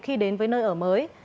khi đến với nơi ở mới